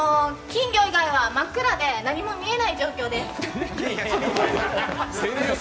金魚が真っ暗で、何も見えない状況です。